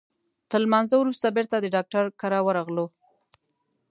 تر لمانځه وروسته بیرته د ډاکټر کره ورغلو.